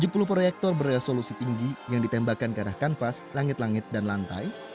tujuh puluh proyektor beresolusi tinggi yang ditembakkan ke arah kanvas langit langit dan lantai